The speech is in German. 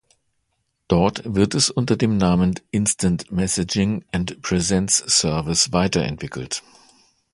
Dort wird es unter dem Namen Instant Messaging and Presence Service weiterentwickelt.